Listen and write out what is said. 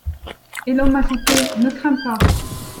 Et l’homme ajoutait : Ne crains pas.